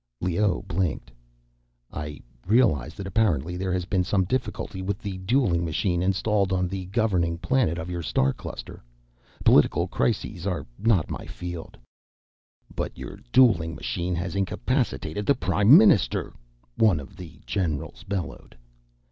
Leoh blinked. "I realize that apparently there has been some difficulty with the dueling machine installed on the governing planet of your star cluster. Political crises are not in my field." "But your dueling machine has incapacitated the Prime Minister," one of the generals bellowed.